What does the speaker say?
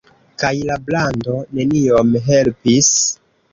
Kaj la brando neniom helpis.